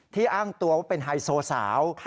อ้างตัวว่าเป็นไฮโซสาว